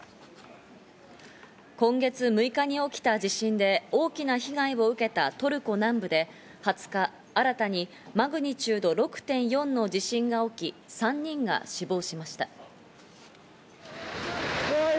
今月６日に起きた地震で大きな被害を受けたトルコ南部で、２０日、新たにマグニチュード６．４の地震が起き、３人が死亡しました。